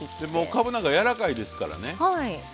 かぶなんか柔らかいですからね